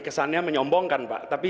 kesannya menyombongkan pak tapi